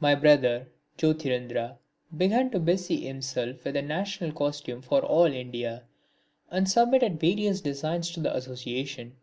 My brother Jyotirindra began to busy himself with a national costume for all India, and submitted various designs to the association.